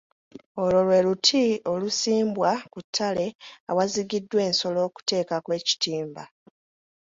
Olwo lwe luti olusimbwa ku ttale awazigiddwa ensolo okuteekako ekitimba